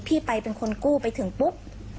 พี่ไปเป็นคนกู้ไปถึงปุ๊บ